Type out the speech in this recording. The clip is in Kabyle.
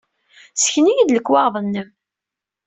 Ssken-iyi-d lekwaɣeḍ-nnem!